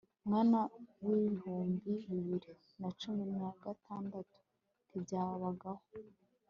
mwaka w'ibihumbi bibiri na cumi na gatandatu ntibyabagaho